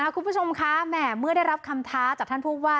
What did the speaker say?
คุณผู้ชมคะแหม่เมื่อได้รับคำท้าจากท่านผู้ว่า